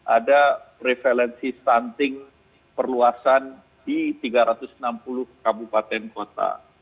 ada prevalensi stunting perluasan di tiga ratus enam puluh kabupaten kota